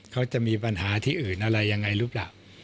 เขาจะมีปัญหาที่อื่นอะไรยังไงหรือเปล่า